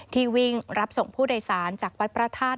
ที่วิ่งรับส่งผู้โดยสารจากวัดพระธาตุ